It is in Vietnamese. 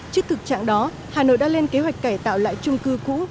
trước thực trạng đó hà nội đã lên kế hoạch cải tạo lại trung cư cũ